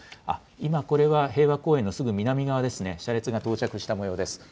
今、これは平和公園の南側ですね、車列が到着したもようです。